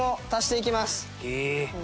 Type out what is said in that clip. へえ！